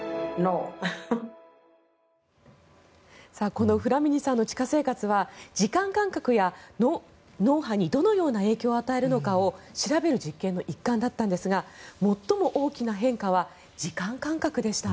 このフラミニさんの地下生活は時間感覚や脳波にどのような影響を与えるのかを調べる実験の一環だったんですが最も大きな変化は時間感覚でした。